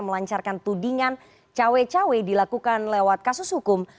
melancarkan tudingan cawe cawe dilakukan lewat kasus hukum